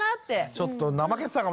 ちょっと怠けてたかもしんない。